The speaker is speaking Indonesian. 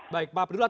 baik pak abdullah